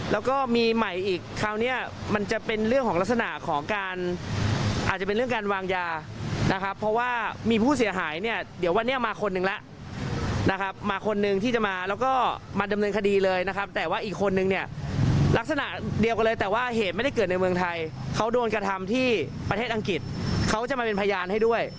แล้วก็มีใหม่อีกคราวนี้มันจะเป็นเรื่องของลักษณะของการอาจจะเป็นเรื่องการวางยานะครับเพราะว่ามีผู้เสียหายเนี่ยเดี๋ยววันนี้มาคนนึงแล้วนะครับมาคนนึงที่จะมาแล้วก็มาดำเนินคดีเลยนะครับแต่ว่าอีกคนนึงเนี่ยลักษณะเดียวกันเลยแต่ว่าเหตุไม่ได้เกิดในเมืองไทยเขาโดนกระทำที่ประเทศอังกฤษเขาจะมาเป็นพยานให้ด้วย